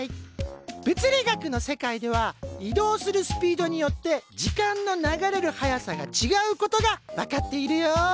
物理学の世界では移動するスピードによって時間の流れる速さがちがうことが分かっているよ。